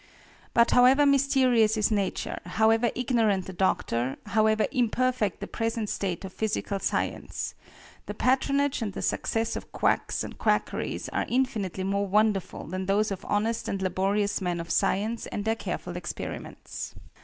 But however mysterious is nature, however ignorant the doctor, however imperfect the present state of physical science, the patronage and the success of quacks and quackeries are infinitely more wonderful than those of honest and laborious men of science and their careful experiments.